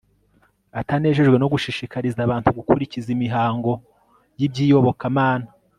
Atanejejwe no gushishikariza abantu gukurikiza imihango yibyiyobokamana